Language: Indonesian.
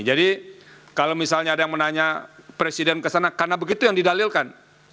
jadi kalau misalnya ada yang menanya presiden ke sana karena begitu yang didalilkan